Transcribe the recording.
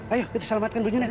ayo kita selamatkan ibu junet